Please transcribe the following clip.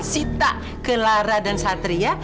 sita ke lara dan satria